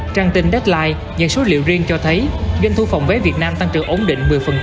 trang tin deadline nhận số liệu riêng cho thấy doanh thu phòng vé việt nam tăng trưởng ổn định một mươi